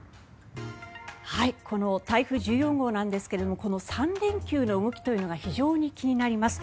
この台風１４号なんですが３連休の動きというのが非常に気になります。